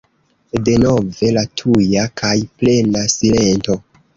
Denove la tuja kaj plena silento!